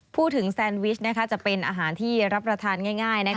แซนวิชจะเป็นอาหารที่รับประทานง่าย